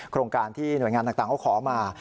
โครงการที่หน่วยงานต่างเขาขอมา